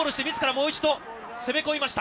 もう一度攻め込みました。